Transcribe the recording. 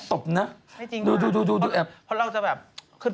จริงไหมครับถูเควิดน่าตบนะ